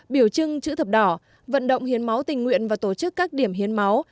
biểu trưng chữ thập đỏ vận động hiến máu tình nguyện và tổ chức các điểm hiến máu